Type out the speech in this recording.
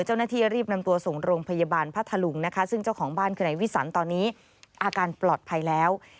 เจ้าหน้าที่รีบนำตัวส่งโรงพยาบาลพัทธลุงนะคะซึ่งเจ้าของบ้านคือนายวิสันตอนนี้อาการปลอดภัยแล้ว